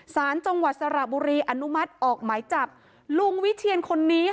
สารจังหวัดสระบุรีอนุมัติออกหมายจับลุงวิเทียนคนนี้